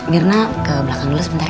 mirna ke belakang lo sebentar ya